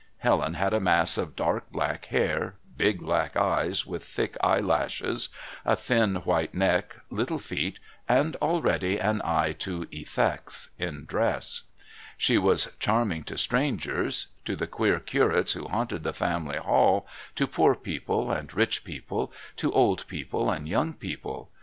Helen had a mass of dark black hair, big black eyes with thick eye lashes, a thin white neck, little feet, and already an eye to "effects" in dress. She was charming to strangers, to the queer curates who haunted the family hall, to poor people and rich people, to old people and young people.